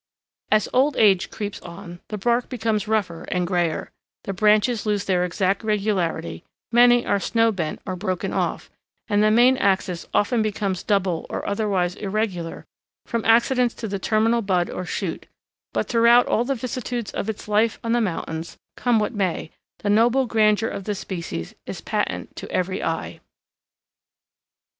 As old age creeps on, the bark becomes rougher and grayer, the branches lose their exact regularity, many are snow bent or broken off, and the main axis often becomes double or otherwise irregular from accidents to the terminal bud or shoot; but throughout all the vicissitudes of its life on the mountains, come what may, the noble grandeur of the species is patent to every eye.